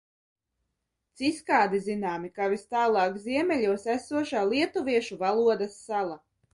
Ciskādi zināmi kā vistālāk ziemeļos esošā lietuviešu valodas sala.